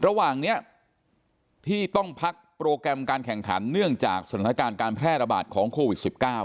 ระหว่างนี้ที่ต้องพักโปรแกรมการแข่งขันเนื่องจากสถานการณ์การแพร่ระบาดของโควิด๑๙